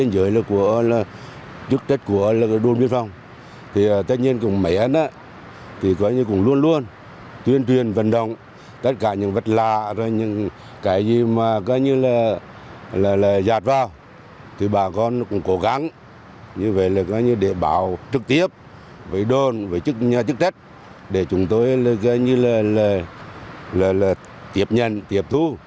để chúng tôi gây như là tiệp nhận tiệp thu